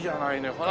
ほら。